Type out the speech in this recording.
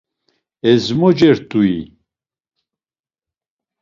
izmoce rt̆ui?